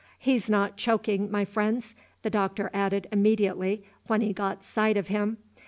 "He's not choking, my friends," the Doctor added immediately, when he got sight of him.